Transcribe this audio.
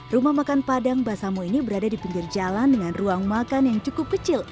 rumah makan padang basamu ini berada di pinggir jalan dengan ruang makan yang cukup kecil